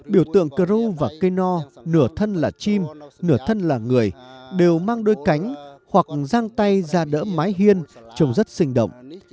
biểu tượng kru và cây no nửa thân là chim nửa thân là người đều mang đôi cánh hoặc giang tay ra đỡ mái hiên trông rất sinh động